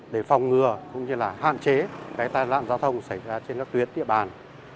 để phòng ngừa cũng như là hạn chế tai nạn giao thông xảy ra trên các tuyến địa bàn